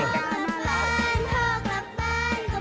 สักทีพ่อแม่แม่ก็ไม่ยอม